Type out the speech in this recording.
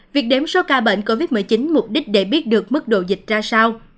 việc đếm số ca bệnh covid một mươi chín mục đích để biết được mức độ dịch ra sao